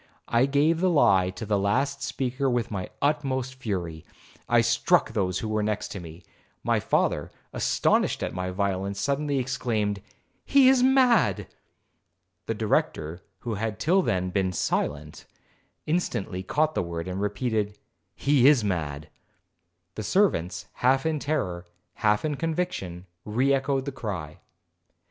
I gave the lie to the last speaker with the utmost fury,—I struck those who were next me. My father, astonished at my violence, suddenly exclaimed, 'He is mad.' The Director, who had till then been silent, instantly caught the word, and repeated, 'He is mad.' The servants, half in terror, half in conviction, re echoed the cry.